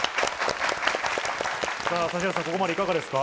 指原さん、ここまでいかがですか？